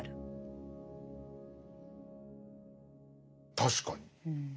確かに。